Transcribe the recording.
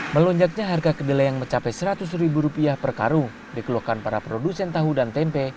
melonjaknya harga kedelai yang mencapai seratus ribu rupiah per karung dikeluhkan para produsen tahu dan tempe